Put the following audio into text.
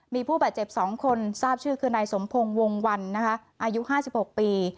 มีผู้บาดเจ็บ๒คนทราบชื่อคือนายสมพงศ์วงวันนะคะอายุ๕๖ปี